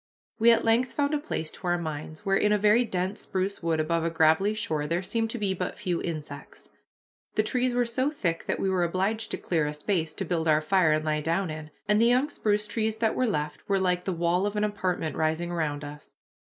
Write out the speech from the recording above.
We at length found a place to our minds, where, in a very dense spruce wood above a gravelly shore, there seemed to be but few insects. The trees were so thick that we were obliged to clear a space to build our fire and lie down in, and the young spruce trees that were left were like the wall of an apartment rising around us.